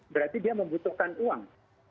berarti dia membutuhkan uang